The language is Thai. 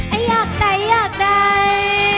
ไอ้ยากใดยากใด